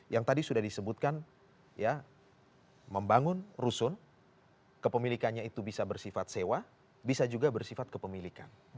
yang tadi sudah disebutkan ya membangun rusun kepemilikannya itu bisa bersifat sewa bisa juga bersifat kepemilikan